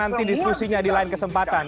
nanti diskusinya di lain kesempatan